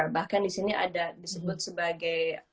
bahkan di sini ada disebut sebagai